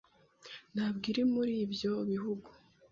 ntabwo iri muri ibyo bihugu.